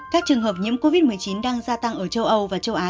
các trường hợp nhiễm covid một mươi chín đang gia tăng ở châu âu và châu á